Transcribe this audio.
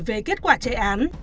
về kết quả chạy án